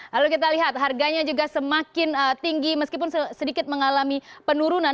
lalu kita lihat harganya juga semakin tinggi meskipun sedikit mengalami penurunan